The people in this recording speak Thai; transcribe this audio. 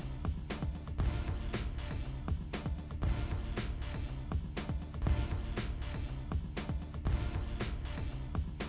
ค่ะ